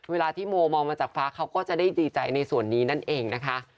เวลาที่โมมองมาจากฟ้าเขาก็จะได้ดีใจในส่วนนี้นั่นเองนะคะ